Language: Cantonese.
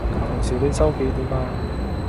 平時你收幾點呀?